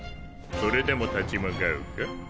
それでも立ち向かうか？